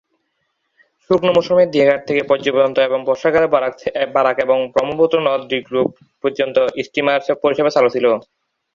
শুকনো মৌসুমে দীঘা ঘাট থেকে পদ্ম পর্যন্ত এবং বর্ষাকালে বরাক এবং ব্রহ্মপুত্র নদ হয়ে ডিগ্রুগড় পর্যন্ত স্টিমার পরিষেবা চালুছিল।